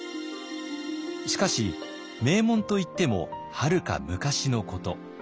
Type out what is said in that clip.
しかし名門といってもはるか昔のこと。